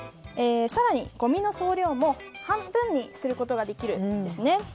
更に、ごみの総量も半分にすることができるんです。